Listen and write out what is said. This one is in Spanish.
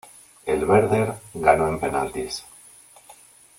El Werder ganó en penaltis.